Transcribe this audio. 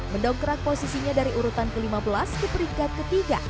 mendongkrak posisinya dari urutan ke lima belas ke peringkat ketiga